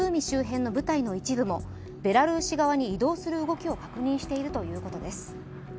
周辺の部隊の一部もベラルーシ側に移動する動きを確認しているということです。